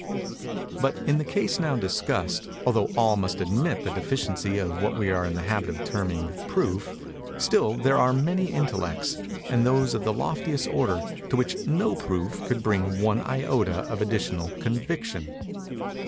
But, in the case now discussed, although all must admit the deficiency of what we are in the habit of terming "proof," still there are many intellects, and those of the loftiest order, to which no proof could bring one iota of additional conviction.